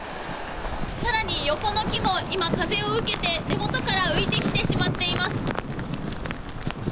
さらに横の木も今、風を受けて根元から浮いてきてしまっています。